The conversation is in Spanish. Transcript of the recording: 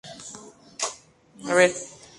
Fue internacional en categorías inferiores con Italia.